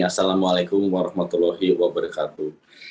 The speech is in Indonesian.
assalamualaikum warahmatullahi wabarakatuh